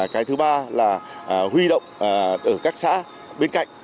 cái thứ ba là huy động ở các xã bên cạnh